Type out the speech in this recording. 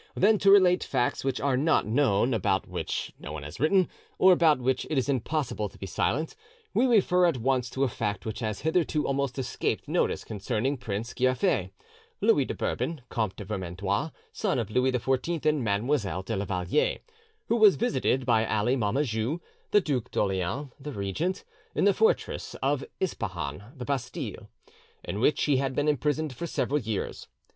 "than to relate facts which are not known, or about which no one has written, or about which it is impossible to be silent, we refer at once to a fact which has hitherto almost escaped notice concerning Prince Giafer (Louis de Bourbon, Comte de Vermandois, son of Louis XIV and Mademoiselle de la Valliere), who was visited by Ali Momajou (the Duc d'Orleans, the regent) in the fortress of Ispahan (the Bastille), in which he had been imprisoned for several years.